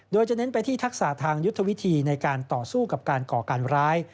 โดยจะเน้นไปที่ทักษะทางยุทธวิธีในการต่อสู้กับการก่อการร้าย